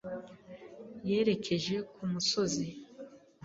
yerekeje ku musozi.